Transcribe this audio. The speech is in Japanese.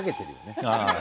ね